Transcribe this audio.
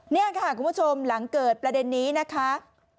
นี่ค่ะคุณผู้ชมหลังเกิดประเด็นนี้นะคะ